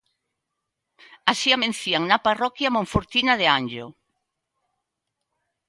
Así amencían na parroquia monfortina de Anllo.